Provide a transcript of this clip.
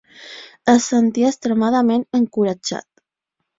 Es sentia extremadament encoratjat.